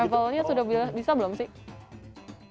levelnya sudah bisa belum sih